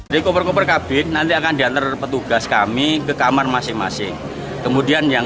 di koper koper kabin nanti akan diantar petugas kami ke kamar masing masing kemudian yang